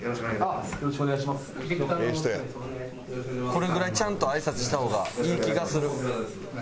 これぐらいちゃんと挨拶した方がいい気がする。